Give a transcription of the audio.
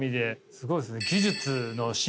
すごいですね。